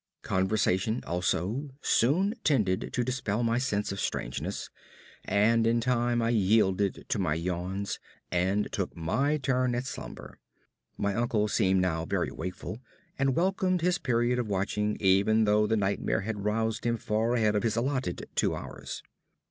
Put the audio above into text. Conversation, also, soon tended to dispel my sense of strangeness; and in time I yielded to my yawns and took my turn at slumber. My uncle seemed now very wakeful, and welcomed his period of watching even though the nightmare had aroused him far ahead of his allotted two hours.